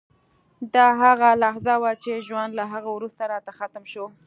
دا هغه لحظه وه چې ژوند له هغه وروسته راته ختم شو